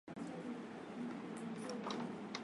kama umepanda iliki unaweza ukachukuwa kikola chako ukaka